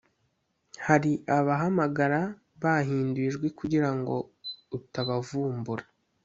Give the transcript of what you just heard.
Hari abahamagara bahinduye ijwi kugira ngo utabavumbura